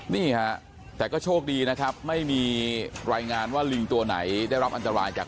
นี่ฮะแต่ก็โชคดีนะครับไม่มีรายงานว่าลิงตัวไหนได้รับอันตรายจาก